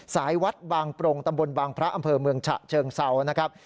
สายวัดบางปรงตำบลบางพระอำเภอเมืองฉะเชิงเซานะครับ